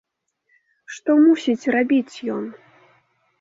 Што мусіць рабіць ён?